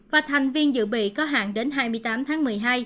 và thành viên dự bị có hạn đến hai mươi tám tháng một mươi hai